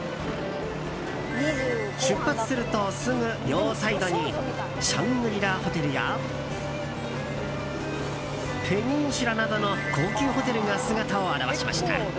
出発するとすぐ、両サイドにシャングリラホテルやペニンシュラなどの高級ホテルが姿を現しました。